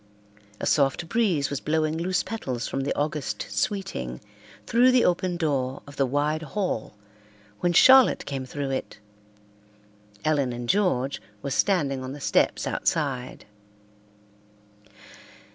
A soft breeze was blowing loose petals from the August Sweeting through the open door of the wide hall when Charlotte came through it. Ellen and George were standing on the steps outside.